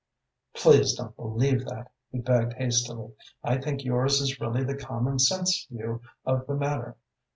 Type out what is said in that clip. "Please don't believe that," he begged hastily. "I think yours is really the common sense view of the matter.